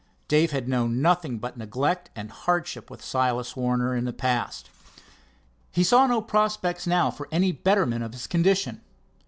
Dave had known nothing but neglect and hardship with Silas Warner in the past. He saw no prospects now of any betterment of his condition.